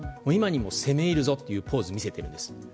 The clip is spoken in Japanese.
今にも攻め入るぞというポーズを見せています。